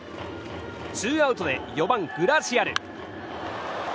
ツーアウトで４番、グラシアル。